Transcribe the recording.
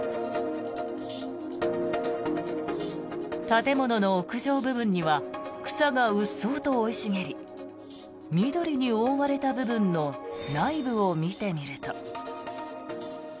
建物の屋上部分には草がうっそうと生い茂り緑に覆われた部分の内部を見てみると。